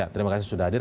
terima kasih sudah hadir